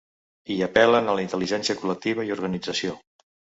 I apel·len a la ‘intel·ligència col·lectiva i organització’.